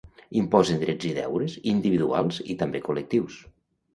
Imposen drets i deures individuals i també col·lectius.